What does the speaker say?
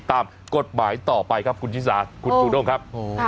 ตามกฎหมายต่อไปครับคุณชิสาคุณจูด้งครับ